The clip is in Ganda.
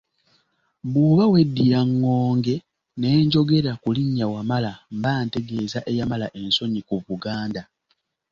Bw’oba weddira ŋŋonge ne njogera ku linnya Wamala mbantegeeza eyamala ensonyi ku Buganda.